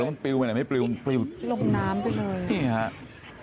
มันปลิวไหนไม่ปลิวปลิวลงน้ำไปเลย